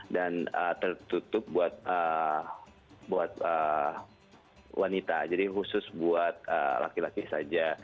dan tertutup buat wanita jadi khusus buat laki laki saja